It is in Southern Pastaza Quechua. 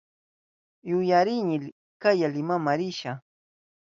Yuyarini kaya Limama risha.